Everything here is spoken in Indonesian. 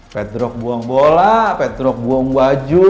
pat the rock buang bola pat the rock buang baju